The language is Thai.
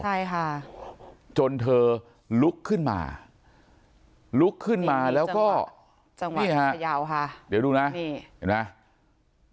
ใช่ค่ะจนเธอลุกขึ้นมาลุกขึ้นมาแล้วก็จังหวะนี่ฮะเดี๋ยวดูนะนี่เห็นไหม